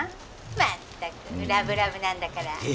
まったくラブラブなんだから。